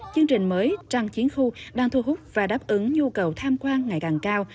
chương trình mới trăng chiến khu đang thu hút và đáp ứng nhu cầu tham quan ngày càng cao